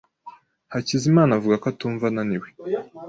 Hakizimana avuga ko atumva ananiwe.